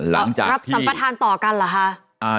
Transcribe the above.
รับสัมประธานต่อกันเหรอคะ